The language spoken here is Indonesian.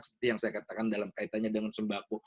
seperti yang saya katakan dalam kaitannya dengan sembako